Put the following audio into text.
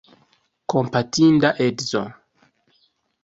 Kompatinda edzo!